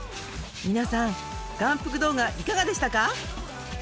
皆さん眼福動画いかがでしたか？